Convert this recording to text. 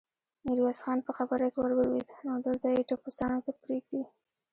ميرويس خان په خبره کې ور ولوېد: نو دلته يې ټپوسانو ته پرېږدې؟